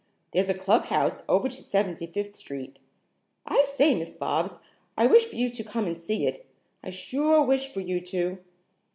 There's a clubhouse over to Seventy fifth Street. I say, Miss Bobs, I wish for you to come and see it. I sure wish for you to."